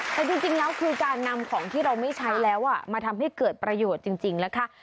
แต่จริงแล้วคือการนำของที่เราไม่ใช้แล้วมาทำให้เกิดประโยชน์จริงนะคะ